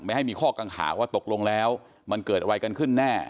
ให้มีข้อกังขาว่าตกลงแล้วมันเกิดอะไรกันขึ้นแน่